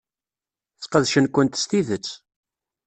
Sqedcen-kent s tidet.